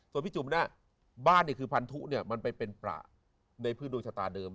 ส่วนพี่จุบนะบ้านเนี่ยคือพันธุเนี่ยมันไปเป็นประในพื้นโดงชะตาเดิม